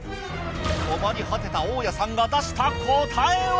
困り果てた大矢さんが出した答えは！？